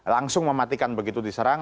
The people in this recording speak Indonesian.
langsung mematikan begitu diserang